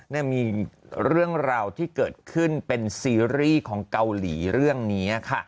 มีเรื่องราวที่เกิดขึ้นเป็นซีรีส์ของเกาหลีเรื่องนี้ค่ะ